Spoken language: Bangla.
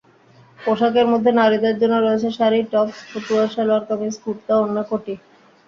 পোশাকের মধ্যে নারীদের জন্য রয়েছে শাড়ি, টপস, ফতুয়া, সালোয়ার-কামিজ, কুর্তা, ওড়না, কোটি।